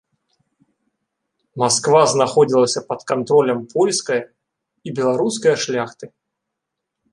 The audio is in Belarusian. Масква знаходзілася пад кантролем польскае і беларускае шляхты.